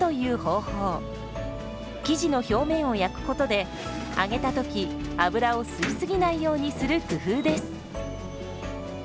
生地の表面を焼くことで揚げた時油を吸い過ぎないようにする工夫です。